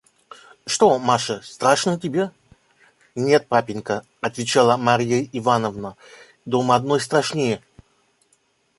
Что, Маша, страшно тебе?» – «Нет, папенька, – отвечала Марья Ивановна, – дома одной страшнее».